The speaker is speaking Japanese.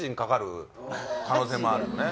可能性もあるよね